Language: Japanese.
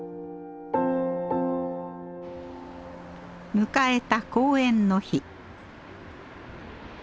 迎えた公演の日。